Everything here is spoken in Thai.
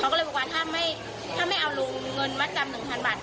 เขาก็เลยบอกว่าถ้าไม่เอาลงเงินมาจำหนึ่งพันบาท